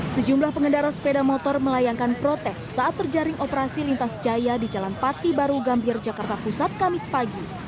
sejumlah pengendara sepeda motor melayangkan protes saat terjaring operasi lintas jaya di jalan pati baru gambir jakarta pusat kamis pagi